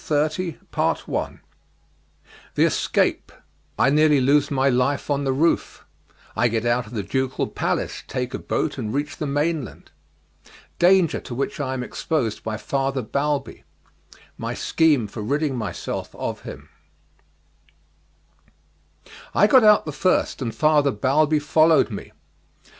CHAPTER XXX The Escape I Nearly Lose My Life on the Roof I Get out of the Ducal Palace, Take a Boat, and Reach the Mainland Danger to Which I Am Exposed by Father Balbi My Scheme for Ridding Myself of Him I got out the first, and Father Balbi followed me.